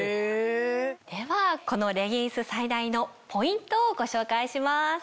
ではこのレギンス最大のポイントをご紹介します。